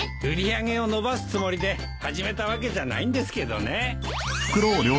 売り上げを伸ばすつもりで始めたわけじゃないんですけどね。